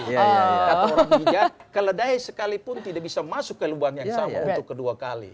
ya kata orang juga keledai sekalipun tidak bisa masuk ke lubang yang sama untuk kedua kali